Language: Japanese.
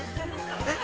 ◆えっ？